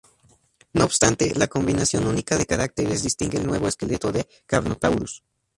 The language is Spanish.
No obstante, la combinación única de caracteres distingue el nuevo esqueleto de "Carnotaurus".